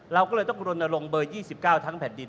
เราก็เลยต้องรณรงค์เบอร์๒๙ทั้งแผ่นดิน